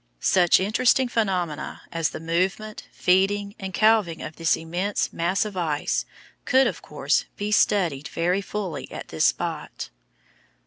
Such interesting phenomena as the movement, feeding, and calving of this immense mass of ice could, of course, be studied very fully at this spot.